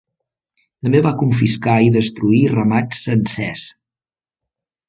També va confiscar i destruir ramats sencers.